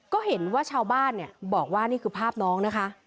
ก็เห็นว่าชาวบ้านเนี่ยบอกว่านี่คือภาพน้องนะคะ